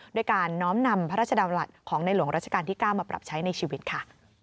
ด้วยการน้อมนำพระราชดำรัฐของในหลวงราชการที่๙มาปรับใช้ในชีวิตค่ะ